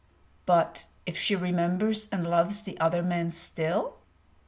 "But if she remembers and loves the other man still?"